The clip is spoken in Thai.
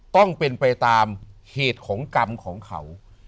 ต้องเป็นไปตามเหตุของกรรมของเขา